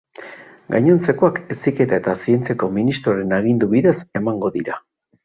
Gainontzekoak Heziketa eta Zientziako Ministroaren agindu bidez emango dira.